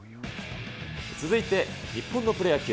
続いて、日本のプロ野球。